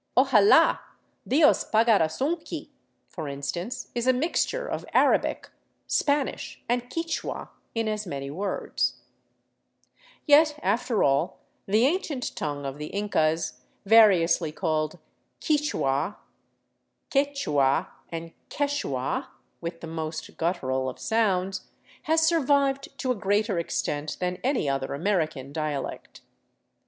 " Ojala, DIos pagarasunqui !" for in stance is a mixture of Arabic, Spanish, and Quichua In as many words. 436 THE CITY OF THE SUN Yet after all, the ancient tongue of the Incas, variously called Quichua, Quechua, and Keshua (with the most guttural of sounds), has survived to a greater extent than any other American dialect.